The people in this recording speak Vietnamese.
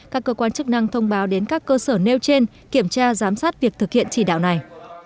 các cơ quan chức năng thông báo đến các cơ sở nêu trên kiểm tra giám sát việc thực hiện chỉ đạo này